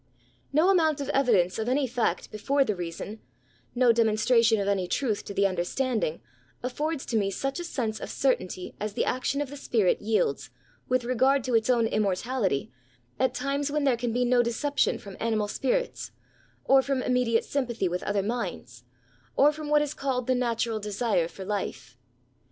No amount of evidence of any fact before the reason^ no demonstration of any truth to the xmderstanding, affords to me such a sense of cer tainty as the action of the spirit yields^ with regard to its own immortality^ at times when there can be no deception from animal spirits, or from immediate sympathy with other minds, or from what is called the natural desire for life.